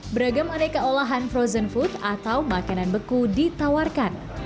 beragam adik keolahan frozen food atau makanan beku ditawarkan